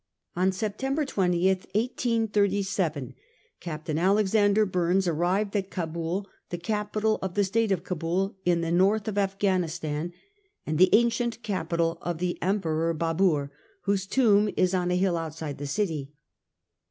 On September 20, 1837, Captain Alexander Bumes arrived at Cabul, the capi tal of the state of Cabul, in the north of Afghanistan, and the ancient capital of the Emperor Baber, whose tomb is on a hill outside the city.